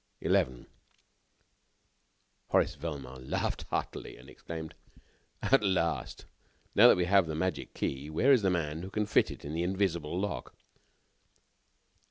'" Horace Velmont laughed heartily, and exclaimed: "At last! And now that we have the magic key, where is the man who can fit it to the invisible lock?"